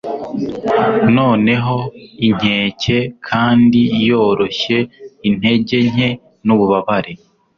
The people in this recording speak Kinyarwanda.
Noneho inkeke kandi yoroshye intege nke nububabare